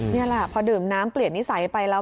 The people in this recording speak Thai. นี่แหละพอดื่มน้ำเปลี่ยนนิสัยไปแล้ว